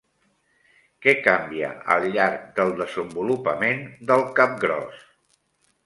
Què canvia al llarg del desenvolupament del capgròs?